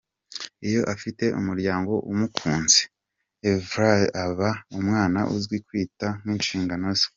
Iyo afite umuryango umukunze, Évrard aba umwana uzi kwita ku nshingano ze.